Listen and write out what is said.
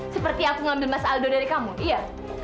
seperti aku ngambil mas aldo dari kamu iya